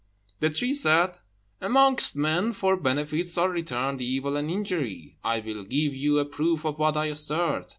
The tree said, "Amongst men, for benefits are returned evil and injury. I will give you a proof of what I assert.